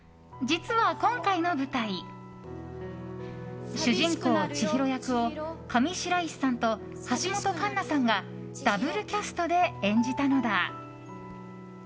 実は今回の舞台主人公・千尋役を上白石さんと橋本環奈さんがダブルキャストで演じたのだ。